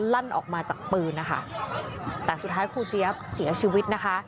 ลั่นออกมาจากปืนนะคะแต่สุดท้ายครูเจี๊ยบเสียชีวิตนะคะ